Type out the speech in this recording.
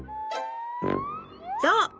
そう！